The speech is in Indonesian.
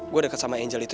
gue deket sama angel itu